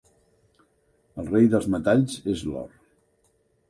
El rei dels metalls és l'or.